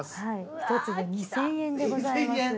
ひと粒２０００円でございます。